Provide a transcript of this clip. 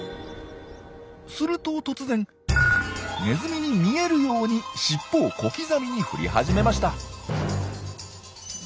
すると突然ネズミに見えるように尻尾を小刻みに振り始めました。